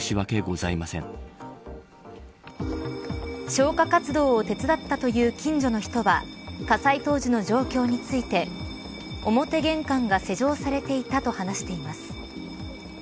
消火活動を手伝ったという近所の人は火災当時の状況について表玄関が施錠されていたと話しています。